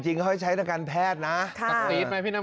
ช่วยใช้นักการแพทย์นะ